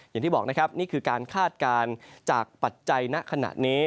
อย่างที่บอกนะครับนี่คือการคาดการณ์จากปัจจัยณขณะนี้